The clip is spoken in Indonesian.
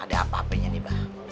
ada apa apanya nih pak